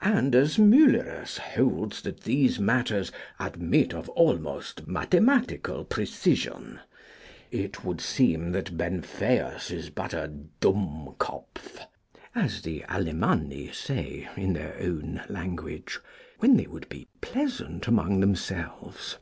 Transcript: And as Muellerus holds that these matters 'admit of almost mathematical precision,' it would seem that Benfeius is but a Dummkopf, as the Alemanni say, in their own language, when they would be pleasant among themselves.